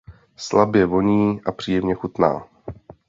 Slabě voní a příjemně chutná.